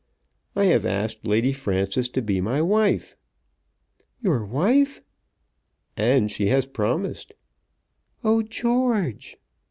"I have asked Lady Frances to be my wife." "Your wife?" "And she has promised." "Oh, George!"